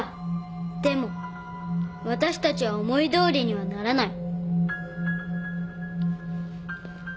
でもわたしたちは思いどおりにはならない。